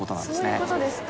そういう事ですか。